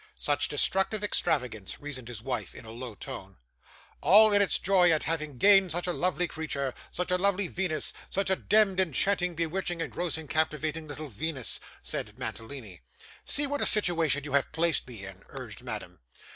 'Such destructive extravagance,' reasoned his wife, in a low tone. 'All in its joy at having gained such a lovely creature, such a little Venus, such a demd, enchanting, bewitching, engrossing, captivating little Venus,' said Mantalini. 'See what a situation you have placed me in!' urged Madame.